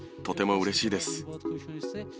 とてもうれしいです。